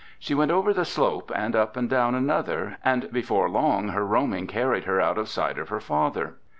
She went over the slope and up and down another, and before long her roaming carried her out of sight of her father.